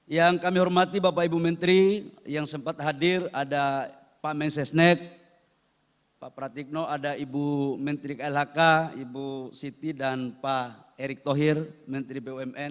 yang kami hormati bapak ibu menteri yang sempat hadir ada pak mensesnek pak pratikno ada ibu menteri klhk ibu siti dan pak erick thohir menteri bumn